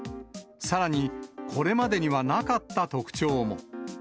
さらにこれまでにはなかった特徴も。